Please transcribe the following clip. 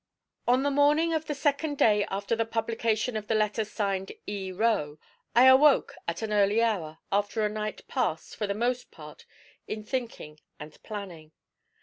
On the morning of the second day after the publication of the letter signed E. Roe, I awoke at an early hour, after a night passed, for the most part, in thinking and planning.